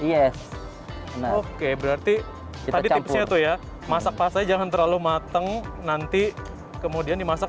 yes oke berarti tadi tipsnya tuh ya masak pasnya jangan terlalu mateng nanti kemudian dimasak